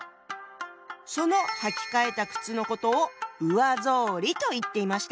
その履き替えた靴のことを「上草履」と言っていました。